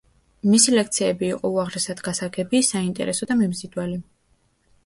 მისი ლექციები იყო უაღრესად გასაგები, საინტერესო და მიმზიდველი.